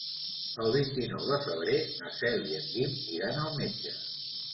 El vint-i-nou de febrer na Cel i en Guim iran al metge.